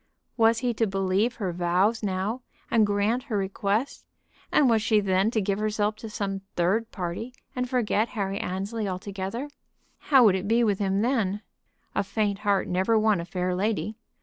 Was he to believe her vows now and grant her request, and was she then to give herself to some third person and forget Harry Annesley altogether? How would it be with him then? A faint heart never won a fair lady.